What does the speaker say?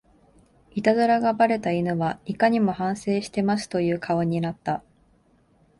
イタズラがバレた犬はいかにも反省してますという顔になった